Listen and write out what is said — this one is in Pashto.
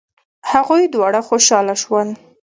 هغوی دواړه خوشحاله شول.